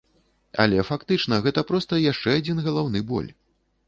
Але фактычна гэта проста яшчэ адзін галаўны боль.